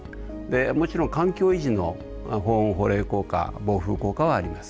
もちろん環境維持の保温保冷効果防風効果はあります。